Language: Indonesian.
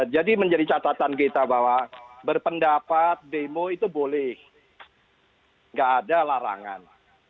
jadi menjadi catatan kita bahwa berpendapat demo itu boleh tidak ada larangan